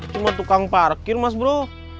cuma tukang parkir mas bro